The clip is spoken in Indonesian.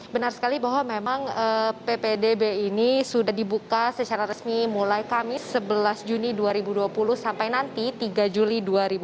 benar sekali bahwa memang ppdb ini sudah dibuka secara resmi mulai kamis sebelas juni dua ribu dua puluh sampai nanti tiga juli dua ribu dua puluh